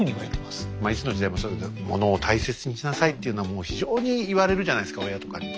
まあいつの時代もそうですけど「物を大切にしなさい」っていうのはもう非常に言われるじゃないですか親とかに。